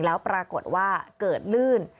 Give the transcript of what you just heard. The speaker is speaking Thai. แล้วปรากฏว่าเกิดลื่น